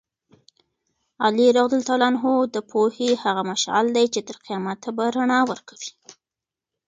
علي رض د پوهې هغه مشعل دی چې تر قیامته به رڼا ورکوي.